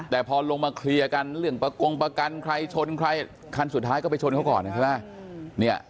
แต่พอลงมาเคลียร์กันเรื่องประกงประกันใครชนใครคันสุดท้ายก็ไปชนเขาก่อนใช่ไหม